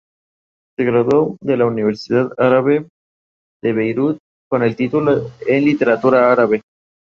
Sus frutos folicular globoso, se dan en cápsula y semillas rojas.